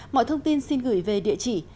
mọi thông tin xin gửi về địa chỉ